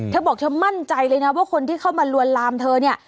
เธอบอกเธอมั่นใจเลยนะว่าคนที่เข้ามาลวนลามเธอเนี่ย